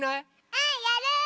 うん！やる！